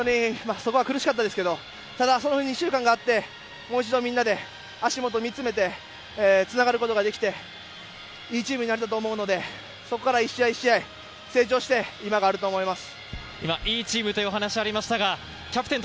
苦しかったですけど、その２週間があって、みんなでもう一度足元を見つめてつながることができて、いいチームになれたと思うので、そこから１試合１試合成長して、今があると思います。